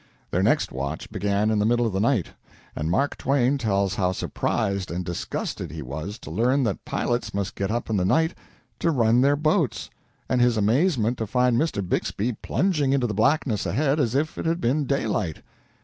Their next watch began in the middle of the night, and Mark Twain tells how surprised and disgusted he was to learn that pilots must get up in the night to run their boats, and his amazement to find Mr. Bixby plunging into the blackness ahead as if it had been daylight.